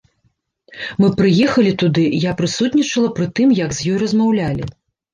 Мы прыехалі туды, я прысутнічала пры тым, як з ёй размаўлялі.